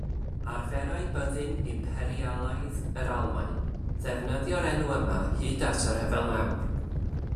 Arferai Byddin Imperialaidd yr Almaen ddefnyddio'r enw yma hyd at y Rhyfel Mawr.